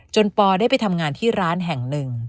ปอได้ไปทำงานที่ร้านแห่งหนึ่ง